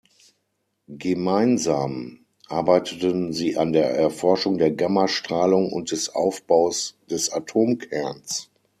Gemeinsam arbeiteten sie an der Erforschung der Gamma-Strahlung und des Aufbaus des Atomkerns.